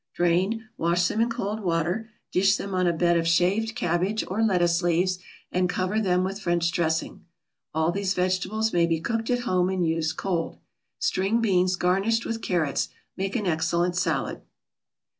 Drain, wash them in cold water, dish them on a bed of shaved cabbage or lettuce leaves, and cover them with French dressing. All these vegetables may be cooked at home and used cold. String beans garnished with carrots make an excellent salad.